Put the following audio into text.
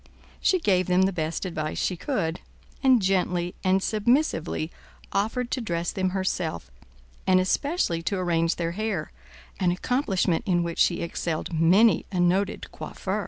She gave them the best advice she could, and gently and submissively offered to dress them herself, and especially to arrange their hair, an accomplishment in which she excelled many a noted coiffeur.